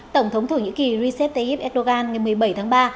tổng thống thổ nhĩ kỳ recep tayyip erdogan ngày một mươi bảy tháng ba